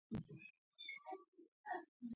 გავრცელებულია ანიმისტური რწმენები.